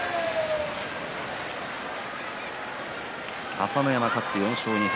朝乃山が勝って４勝２敗。